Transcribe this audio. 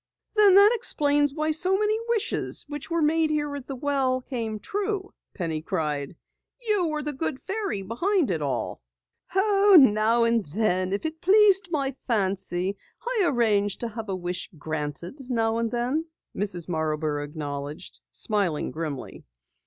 "Then that explains why so many wishes which were made here at the well came true!" Penny cried. "You were the Good Fairy behind it all." "Oh, now and then, if it pleased my fancy, I arranged to have a wish granted," Mrs. Marborough acknowledged, smiling grimly.